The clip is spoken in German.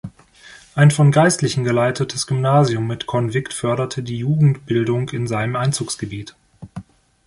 Ein von Geistlichen geleitetes Gymnasium mit Konvikt förderte die Jugendbildung in seinem Einzugsgebiet.